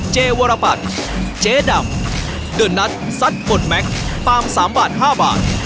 เจวรปัตย์เจดับเดอร์นัทซัทบทแมคปาม๓บาท๕บาท